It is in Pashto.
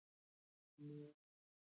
مور د ماشومانو وزن څاري.